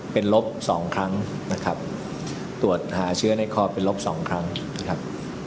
เป็นลบสองครั้งนะครับตรวจหาเชื้อในคอเป็นลบสองครั้งนะครับ